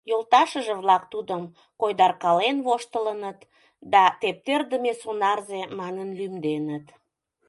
Йолташыже-влак тудым койдаркален воштылыныт да «тептердыме сонарзе» манын лӱмденыт.